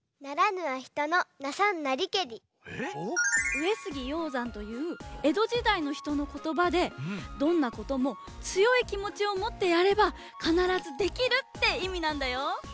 上杉鷹山というえどじだいのひとのことばでどんなこともつよいきもちをもってやればかならずできるっていみなんだよ！